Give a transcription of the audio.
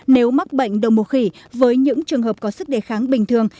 nếu mắc bệnh đồng mùa khỉ với những trường hợp có sức đề kháng bình thường